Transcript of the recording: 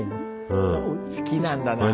好きなんだな。